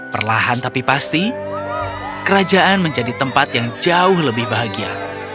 perlahan tapi pasti kerajaan menjadi tempat yang jauh lebih bahagia